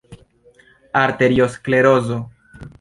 Arteriosklerozo.